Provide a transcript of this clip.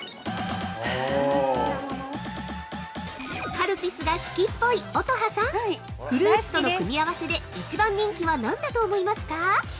◆カルピスが好きっぽい、乙葉さん、フルーツとの組み合わせで一番人気はなんだと思いますか。